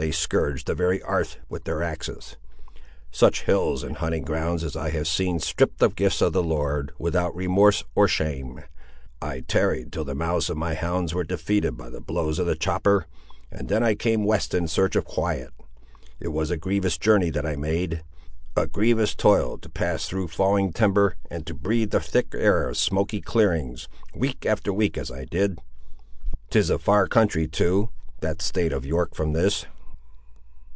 They scourge the very 'arth with their axes. Such hills and hunting grounds as I have seen stripped of the gifts of the Lord, without remorse or shame! I tarried till the mouths of my hounds were deafened by the blows of the chopper, and then I came west in search of quiet. It was a grievous journey that I made; a grievous toil to pass through falling timber and to breathe the thick air of smoky clearings, week after week, as I did! 'Tis a far country too, that state of York from this!"